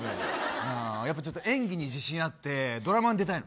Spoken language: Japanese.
ちょっと演技に自信があってドラマに出たいの。